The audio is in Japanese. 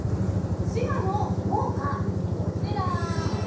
滋賀の“農家”こちら。